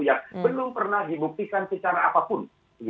yang belum pernah dibuktikan secara apapun